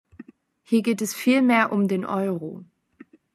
Hier geht es vielmehr um den Euro.